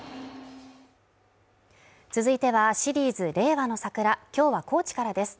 続いてはシリーズ「令和のサクラ」今日は高知からです。